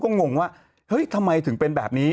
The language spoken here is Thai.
กิดว่าทำไมถึงเป็นแบบนี้